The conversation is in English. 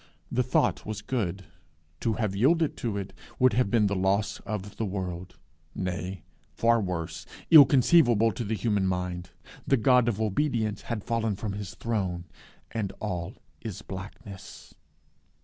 The thought was good: to have yielded to it would have been the loss of the world; nay, far worse ill inconceivable to the human mind the God of obedience had fallen from his throne, and all is blackness.